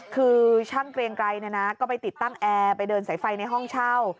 คือช่างเกรงไกรก็ไปติดตั้งแอร์ไปเดินสายไฟในห้องเช่า